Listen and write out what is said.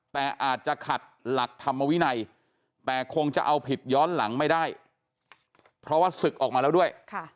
แต่อาจจะขัดหลักธรรมวินัยแต่คงจะเอาผิดย้อนหลังไม่ได้เพราะว่าศึกออกมาแล้วด้วย